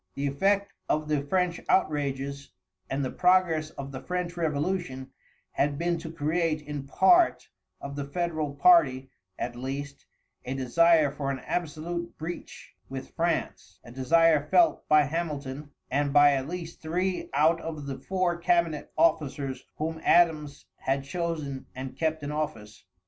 The effect of the French outrages, and the progress of the French revolution had been to create in a part of the federal party, at least, a desire for an absolute breach with France a desire felt by Hamilton, and by at least three out of the four cabinet officers whom Adams had chosen and kept in office.